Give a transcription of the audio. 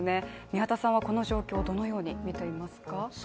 宮田さんはこの状況をどのように見てますか。